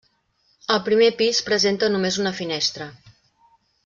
Al primer pis presenta només una finestra.